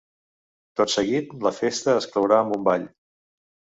Tot seguit, la festa es clourà amb un ball.